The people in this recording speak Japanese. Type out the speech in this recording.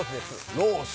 ロース！